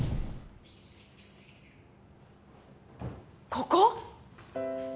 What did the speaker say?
ここ？